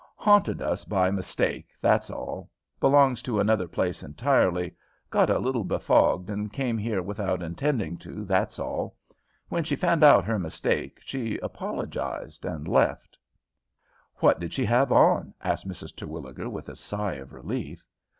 Haunted us by mistake, that's all. Belongs to another place entirely; got a little befogged, and came here without intending to, that's all. When she found out her mistake, she apologized, and left." "What did she have on?" asked Mrs. Terwilliger, with a sigh of relief.